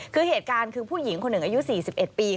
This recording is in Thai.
คือเหตุการณ์คือผู้หญิงคนหนึ่งอายุ๔๑ปี